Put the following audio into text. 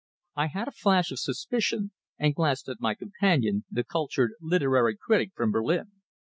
I had a flash of suspicion, and glanced at my companion, the cultured literary critic from Berlin.